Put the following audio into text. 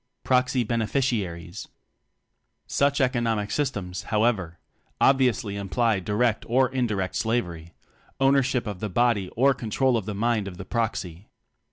Proxy Beneficiaries. Such economic systems, however, obviously imply direct or indirect slavery ownership of the body or control of the mind of the proxy.